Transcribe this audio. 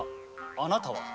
あなたは？